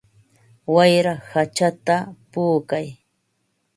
Wayra hachata puukan.